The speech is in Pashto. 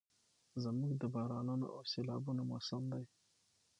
ژمی د بارانونو او سيلابونو موسم دی؛